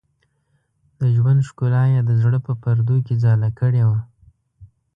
د ژوند ښکلا یې د زړه په پردو کې ځاله کړې وه.